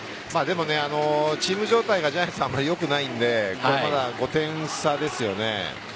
チーム状態がジャイアンツはあまり良くないのでまだ５点差ですよね。